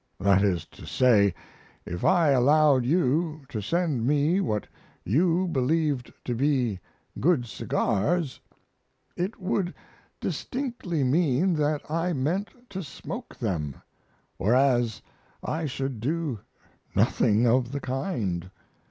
That is to say, if I allowed you to send me what you believed to be good cigars it would distinctly mean that I meant to smoke them, whereas I should do nothing of the kind.